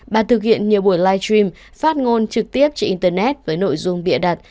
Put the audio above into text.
bà thực hiện nhiều buổi live stream phát ngôn trực tiếp trên internet với nội dung bịa đặt